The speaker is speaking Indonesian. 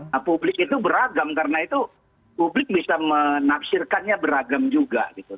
nah publik itu beragam karena itu publik bisa menafsirkannya beragam juga gitu